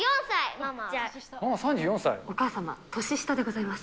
ママ、お母様、年下でございます。